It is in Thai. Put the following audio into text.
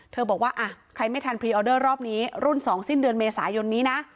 บอกว่าใครไม่ทันพรีออเดอร์รอบนี้รุ่น๒สิ้นเดือนเมษายนนี้นะ